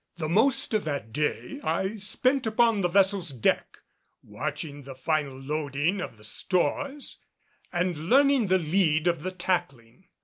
The most of that day I spent upon the vessel's deck watching the final loading of stores and learning the lead of the tackling.